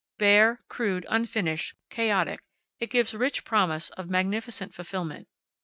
Bare, crude, unfinished, chaotic, it gives rich promise of magnificent fulfillment.